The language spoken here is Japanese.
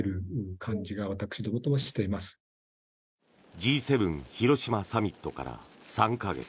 Ｇ７広島サミットから３か月。